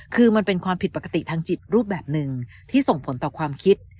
คือมันเป็นความผิดปกติทางจิตรูปแบบหนึ่งที่ส่งผลต่อความคิด